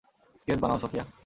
Sketch বানাও, Sophia.